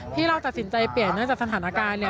ที่เราตัดสินใจเปลี่ยนเนื่องจากสถานการณ์เนี่ย